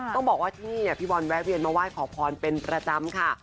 ต้องบอกว่าที่นี่พี่บอลแวะเวียนมาไหว้ขอพรเป็นประจำค่ะ